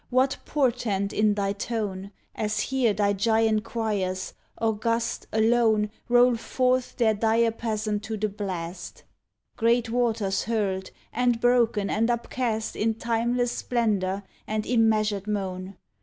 What portent in thy tone, As here thy giant choirs, august, alone, Roll forth their diapason to the blast! — Great waters hurled and broken and upcast In timeless splendour and immeasured moan.